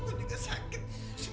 semuanya sakit wan